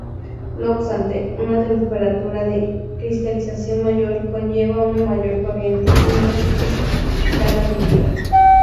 No obstante, una temperatura de cristalización mayor conlleva una mayor corriente y menos escalabilidad.